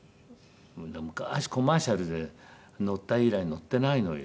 昔コマーシャルで乗った以来乗ってないのよ。